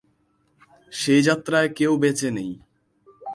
সেই যাত্রায় কেউ বেঁচে নেই।